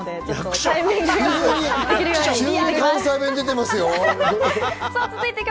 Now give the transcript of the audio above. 急に関西弁が出ていますよ。